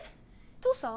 父さん？